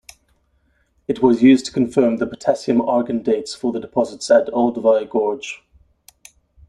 It was used to confirm the potassium-argon dates for the deposits at Olduvai Gorge.